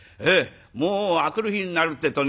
もう明くる日になるってえとね